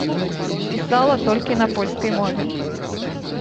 Пісала толькі на польскай мове.